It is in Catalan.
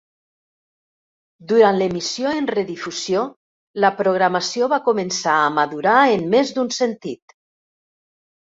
Durant l'emissió en redifusió, la programació va començar a madurar en més d'un sentit.